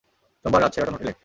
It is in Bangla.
সোমবার রাত, শেরাটন হোটেলে।